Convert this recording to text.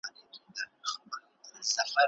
د انسان زړه ته سکون ورکوي